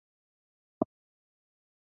پاچا سره د وطن ټول واک وي .